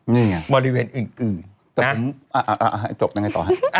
นี่ฮะบริเวณอื่นม่นเอาอย่างไงต่อเห็นกะ